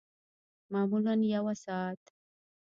معمولاً یوه ساعت